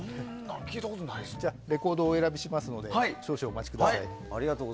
レコードをお選びしますので少々お待ちください。